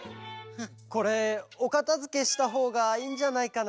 これおかたづけしたほうがいいんじゃないかな？